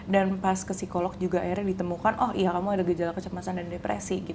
dan pas ke psikolog juga akhirnya ditemukan oh iya kamu ada gejala kecemasan dan depresi